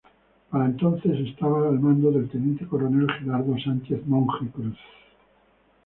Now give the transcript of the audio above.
Para entonces estaba al mando del teniente coronel Gerardo Sánchez-Monje Cruz.